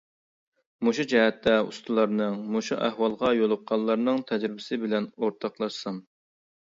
مۇشۇ جەھەتتە ئۇستىلارنىڭ، مۇشۇ ئەھۋالغا يولۇققانلارنىڭ تەجرىبىسى بىلەن ئورتاقلاشسام.